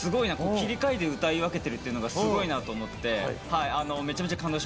切り替えて歌い分けてるっていうのがすごいなと思って。